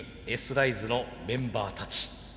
ライズのメンバーたち。